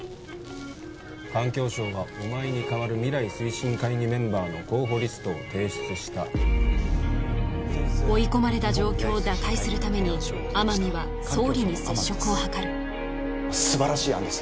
環境省がお前にかわる未来推進会議メンバーの候補リストを提出した追い込まれた状況を打開するために天海は総理に接触を図る素晴らしい案です